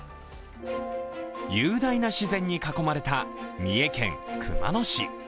雄大な自然に囲まれた三重県熊野市。